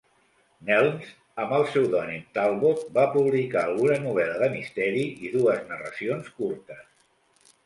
Nelms, amb el pseudònim Talbot, va publicar alguna novel·la de misteri i dues narracions curtes.